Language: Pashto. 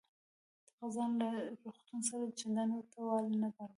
دغه ځای له روغتون سره چندانې ورته والی نه درلود.